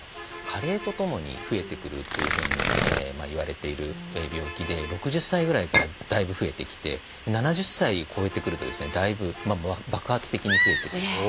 加齢とともに増えてくるというふうにいわれている病気で６０歳ぐらいからだいぶ増えてきて７０歳超えてくるとですねだいぶ爆発的に増えてくると。